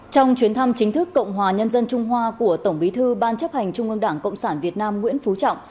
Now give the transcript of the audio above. trong chuyến thăm chính thức cộng hòa nhân dân trung hoa của tổng bí thư ban chấp hành trung ương đảng cộng sản việt nam nguyễn phú trọng